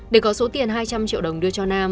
để có số tiền hai trăm linh triệu đồng đưa cho nam